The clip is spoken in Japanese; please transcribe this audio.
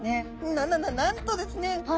ななななんとですね